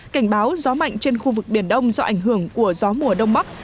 cảnh báo gió mạnh trên khu vực biển đông do ảnh hưởng của gió mùa đông bắc